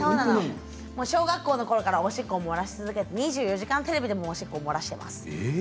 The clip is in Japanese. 小学校のころからおしっこを漏らし続けて「２４時間テレビ」でも漏らしています。